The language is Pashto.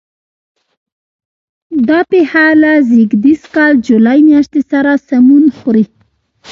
دا پېښه له زېږدیز کال جولای میاشتې سره سمون خوري.